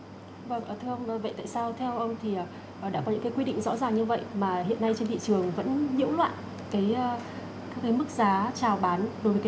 mà hiện nay trên thị trường vẫn nhiễu loạn